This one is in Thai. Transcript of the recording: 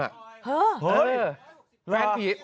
เห้ยนี่ก็ถือมาทะเลอย่างเนี่ย